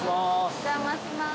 ◆お邪魔します。